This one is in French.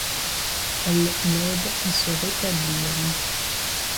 Elle l’aide à se rétablir.